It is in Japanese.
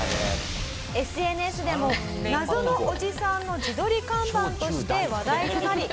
ＳＮＳでも謎のおじさんの自撮り看板として話題となり。